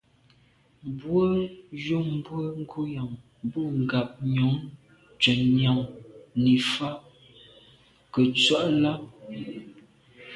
Mbwe njùmbwe ngùnyàm bo ngab Njon tshen nyàm ni fa ke ntsw’a là’.